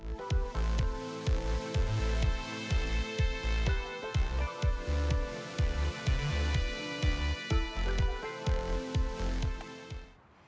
silakan tangguh zikirkan bisa mendapatkan pemerintah anda originale the case about the cardicheck of demoresana